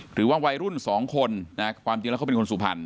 หรือว่าวัยรุ่น๒คนความจริงแล้วเขาเป็นคนสุพรรณ